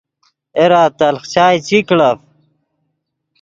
اے را تلخ چائے چی کڑف